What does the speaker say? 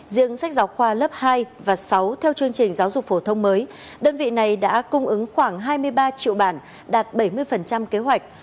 riêng sách giáo khoa lớp hai và sáu theo chương trình giáo dục phổ thông mới đơn vị này đã cung ứng khoảng hai mươi ba triệu bản đạt bảy mươi kế hoạch